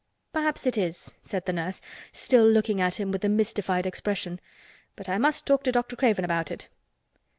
"Perhaps it is," said the nurse, still looking at him with a mystified expression. "But I must talk to Dr. Craven about it."